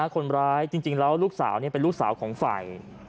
คนร้ายจริงแล้วลูกสาวเป็นลูกสาวของฝ่าย